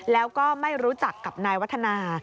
แล้วก็ไม่รู้จักกับนายวัฒนา